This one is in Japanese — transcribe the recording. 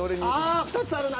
ああ２つあるな。